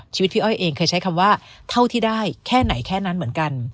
ชีวิตพี่อ้อยเองเคยใช้คำว่าเท่าที่ได้แค่ไหนแค่นั้นเหมือนกัน